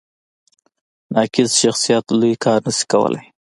ناقص شخصیت لوی کار نه شي کولی.